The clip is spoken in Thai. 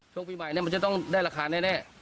ช่วงปีใหม่มันจะต้องได้ราคาแน่